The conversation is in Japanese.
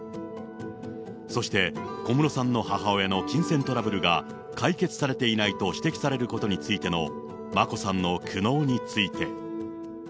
そして、小室さんの母親の金銭トラブルが解決されていないと指摘されることについての眞子さんの苦悩について。